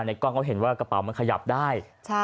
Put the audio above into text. กล้องเขาเห็นว่ากระเป๋ามันขยับได้